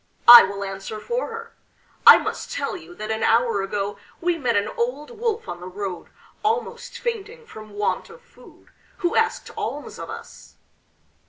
I will answer for her. I must tell you that an hour ago we met an old wolf on the road, almost fainting from want of food, who asked alms of us.